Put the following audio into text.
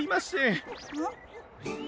ん？